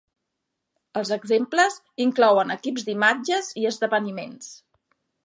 Els exemples inclouen equips d'imatges i esdeveniments.